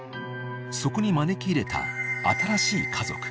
［そこに招き入れた新しい家族］